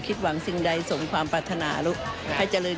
คิดหวังสิ่งใดสมความปรัฐนาให้เจริญ